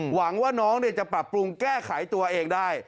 หวังว่าน้องจะปรับปรุงแก้ไขตัวเองได้